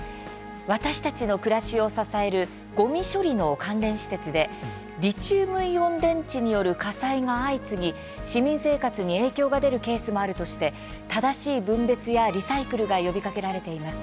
私たちの暮らしを支えるごみ処理の関連施設でリチウムイオン電池による火災が相次ぎ、市民生活に影響が出るケースもあるとして正しい分別やリサイクルが呼びかけられています。